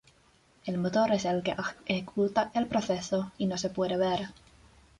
El motor es el que ejecuta el proceso y no se puede ver.